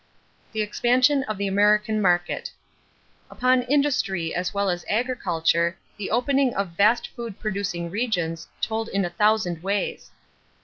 =The Expansion of the American Market.= Upon industry as well as agriculture, the opening of vast food producing regions told in a thousand ways.